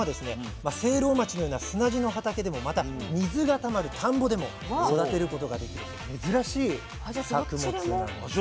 聖籠町のような砂地の畑でもまた水がたまる田んぼでも育てることができる珍しい作物なんです。